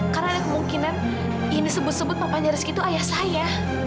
karena ada kemungkinan ini sebut sebut papanya rizky itu ayah saya